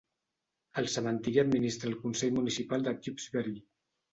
El cementiri l'administra el consell municipal de Tewkesbury.